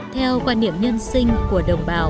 theo quan niệm nhân sinh của đồng bào